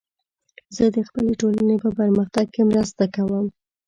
زه د خپلې ټولنې په پرمختګ کې مرسته کوم.